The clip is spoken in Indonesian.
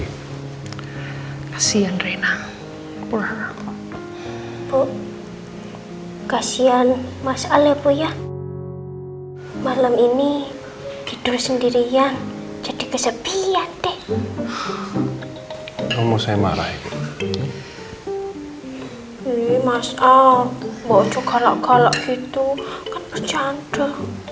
iya mas al bau coklat coklat gitu kan bercanda